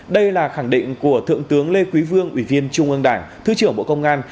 đây là khẳng định của thượng tướng lê quý vương ủy viên trung ương đảng thứ trưởng bộ công an